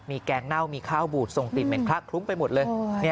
มีแก๊งเน่ามีข้าวบูดทรงติดเหม็นคลั๊กคลุ้งไปหมดเลย